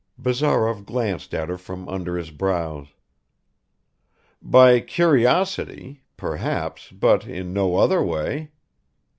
Bazarov glanced at her from under his brows. "By curiosity perhaps, but in no other way."